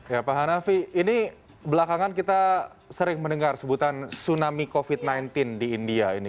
ya pak hanafi ini belakangan kita sering mendengar sebutan tsunami covid sembilan belas di india ini